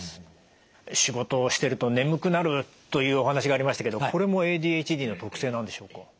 仕事をしてると眠くなるというお話がありましたけどこれもＡＤＨＤの特性なんでしょうか？